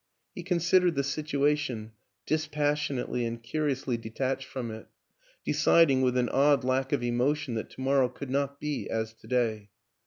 He con sidered the situation, dispassionately and curi ously detached from it; deciding, with an odd lack of emotion, that to morrow could not be as to day.